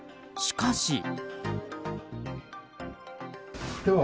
しかし。